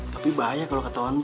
tapi bahaya kalo ketauan